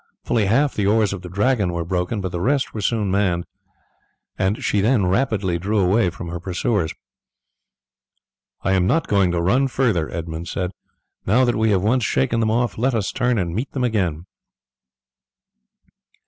Fully half the oars of the Dragon were broken, but the rest were soon manned, and she then rapidly drew away from her pursuers. "I am not going to run further," Edmund said. "Now that we have once shaken them off, let us turn and meet them again."